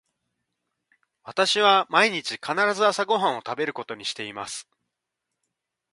私は毎日必ず朝ご飯を食べることにしています。